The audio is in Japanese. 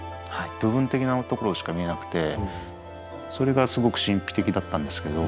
部分的なところしか見えなくてそれがすごく神秘的だったんですけど。